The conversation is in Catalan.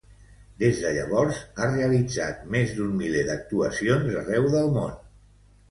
Des de llavors ha realitzat més d'un miler d'actuacions arreu del món.